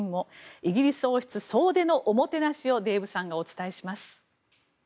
イギリス王室総出のおもてなしをデーブさんがお伝えします。